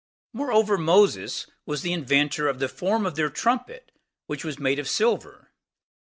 6. Moreover, Moses was the inventor of the form of their trumpet, which was made of silver.